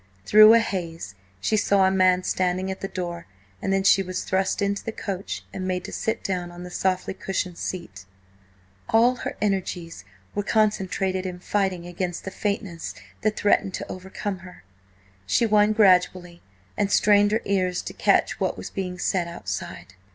Through a haze she saw a man standing at the door, and then she was thrust into the coach and made to sit down on the softly cushioned seat. All her energies were concentrated in fighting against the faintness that threatened to overcome her. She won gradually, and strained her ears to catch what was being said outside.